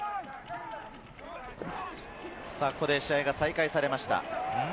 試合が再開されました。